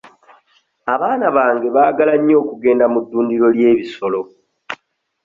Abaana bange baagala nnyo okugenda mu ddundiro ly'ebisolo.